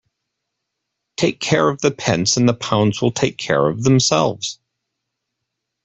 Take care of the pence and the pounds will take care of themselves.